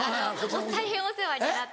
大変お世話になって。